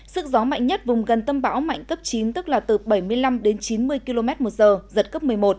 sức gió mạnh nhất vùng gần tâm bão mạnh cấp chín tức là từ bảy mươi năm đến chín mươi km một giờ giật cấp một mươi một